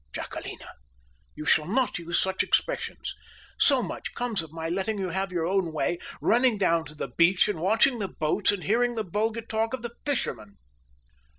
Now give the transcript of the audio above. Jacquelina. You shall not use such expressions. So much comes of my letting you have your own way, running down to the beach and watching the boats, and hearing the vulgar talk of the fishermen."